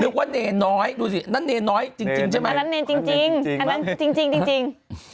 นึกว่าเนรน้อยดูสิอันนั้นเนรน้อยจริงใช่ไหมอันนั้นเนรนจริง